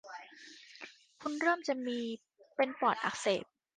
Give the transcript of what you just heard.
คุณเริ่มจะเป็นปอดอักเสบ